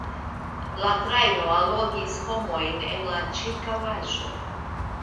La trajno allogis homojn el la ĉirkaŭaĵo.